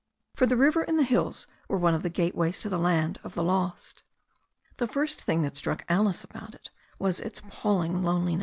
For the river and the hills were one of the gate ways to the land of the lost. The first thing that struck Alice about it all was its ap palling isolation.